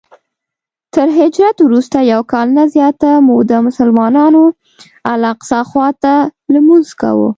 تر هجرت وروسته یو کال نه زیاته موده مسلمانانو الاقصی خواته لمونځ کاوه.